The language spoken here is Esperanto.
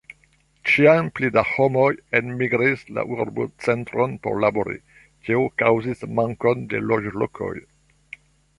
Ĉiam pli da homoj enmigris la urbocentron por labori; tio kaŭzis mankon de loĝlokoj.